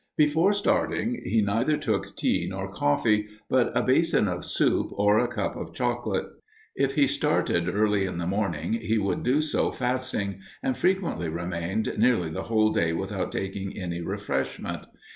Before starting, he neither took tea nor coffee, but a basin of soup, or a cup of chocolate. If he started early in the morning, he would do so fasting, and frequently remained nearly the whole day without taking any refreshment.